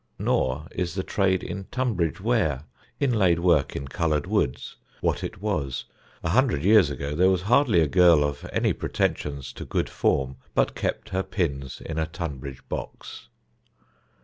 Nor is the trade in Tunbridge ware, inlaid work in coloured woods, what it was. A hundred years ago there was hardly a girl of any pretensions to good form but kept her pins in a Tunbridge box.